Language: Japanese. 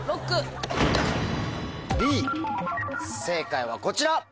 正解はこちら。